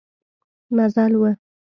مزل و.